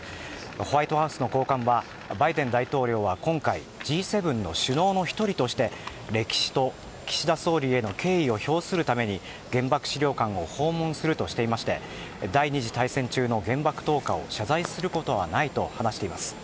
ホワイトハウスの高官はバイデン大統領は今回Ｇ７の首脳の１人として歴史と岸田総理への敬意を表するために原爆資料館を訪問するとしていまして第２次大戦中の原爆投下を謝罪することはないと話しています。